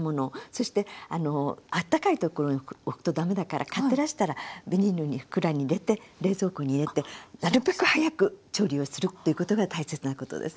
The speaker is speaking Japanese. そしてあったかいところに置くと駄目だから買ってらしたらビニールの袋に入れて冷蔵庫に入れてなるべく早く調理をするっていうことが大切なことです。